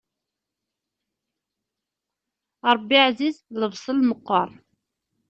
Ṛebbi ɛziz, lebṣel meqqer.